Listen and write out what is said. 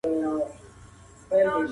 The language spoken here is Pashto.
زه به اوږده موده د لوبو لپاره تمرين کړی وم.